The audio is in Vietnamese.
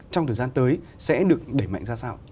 trong thời gian tới sẽ được đẩy mạnh ra sao